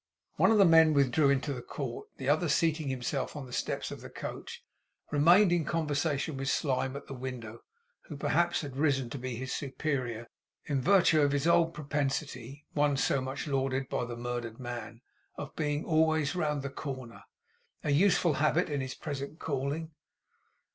One of the men withdrew into the court. The other, seating himself self on the steps of the coach, remained in conversation with Slyme at the window who perhaps had risen to be his superior, in virtue of his old propensity (one so much lauded by the murdered man) of being always round the corner. A useful habit in his present calling.